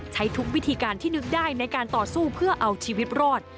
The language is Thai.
ใช้ทุกวิธีการที่นึกได้ในการต่อสู้เพื่อเอาชีวิตรอด